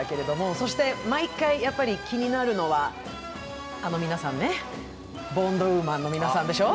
そして毎回やっぱり気になるのは、皆さんね、ボンドウーマンの皆さんでしょう？